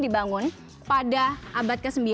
dibangun pada abad ke sembilan